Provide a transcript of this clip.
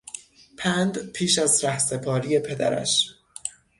پند پیش از رهسپاری پدرش